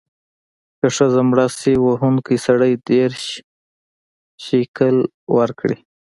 که ښځه مړه شي، وهونکی سړی دیرش شِکِل ورکړي.